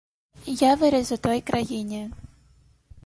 Я вырас у той краіне.